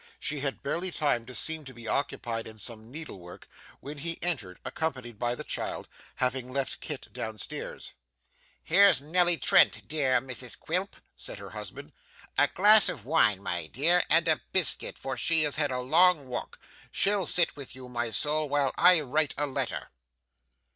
She had barely time to seem to be occupied in some needle work, when he entered, accompanied by the child; having left Kit downstairs. 'Here's Nelly Trent, dear Mrs Quilp,' said her husband. 'A glass of wine, my dear, and a biscuit, for she has had a long walk. She'll sit with you, my soul, while I write a letter.